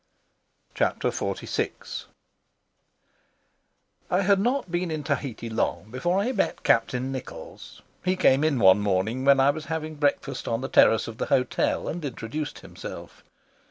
Chapter XLVI HAD not been in Tahiti long before I met Captain Nichols. He came in one morning when I was having breakfast on the terrace of the hotel and introduced himself.